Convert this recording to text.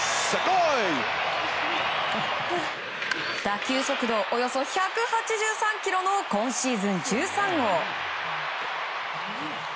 打球速度およそ１８３キロの今シーズン１３号。